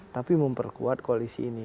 tapi memperkuat koalisi ini